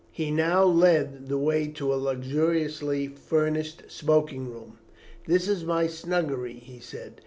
He now led the way to a luxuriously furnished smoking room. "This is my snuggery," he said.